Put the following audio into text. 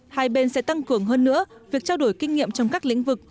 hai bên sẽ tăng cường hơn nữa việc trao đổi kinh nghiệm trong các lĩnh vực